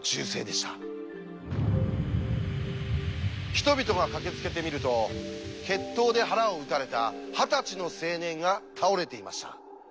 人々が駆けつけてみると決闘で腹を撃たれた二十歳の青年が倒れていました。